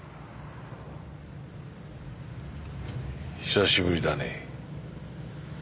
久しぶりだねえ。